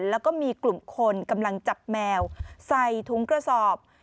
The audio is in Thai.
แล้วก็มีกลุ่มคนกำลังจับแมวใส่ถุงกระสอบ